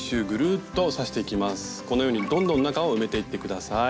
このようにどんどん中を埋めていって下さい。